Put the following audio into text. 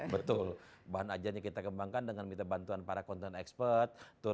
betul bahan ajarnya kita kembangkan dengan minta bantuan para konten expert